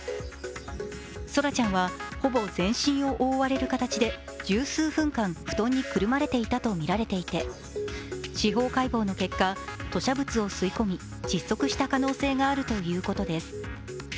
奏良ちゃんはほぼ全身を覆われる形で十数分間布団にくるまれていたとみられていて司法解剖の結果、吐しゃ物を吸い込み、窒息した可能性があるということです。